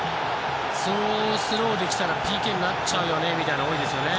スローできたらＰＫになっちゃうよねみたいなものが多いですよね。